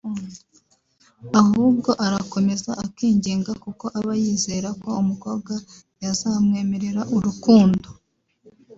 ahubwo arakomeza akinginga kuko aba yizera ko umukobwa yazamwemerera urukundo